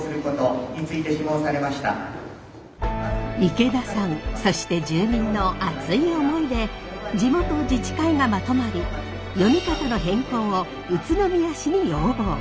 池田さんそして住民の熱い思いで地元自治会がまとまり読み方の変更を宇都宮市に要望。